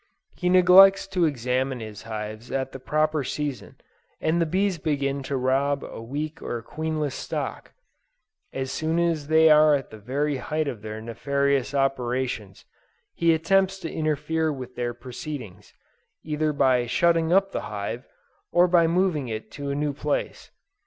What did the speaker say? He neglects to examine his hives at the proper season, and the bees begin to rob a weak or queenless stock: as soon as they are at the very height of their nefarious operations, he attempts to interfere with their proceedings, either by shutting up the hive, or by moving it to a new place.